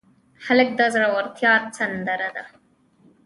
هلک د زړورتیا سندره ده.